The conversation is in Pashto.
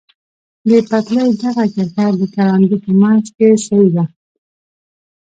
د پټلۍ دغه کرښه د کروندو په منځ کې سیده.